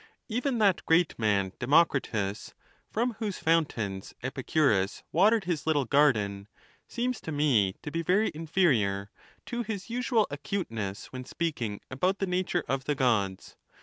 XLIII. Even that great man Democritus, from whose fountains Epicurus watered his little garden, seems to me to be very inferior to his usual acuteness when speaking about the nature of the Gods.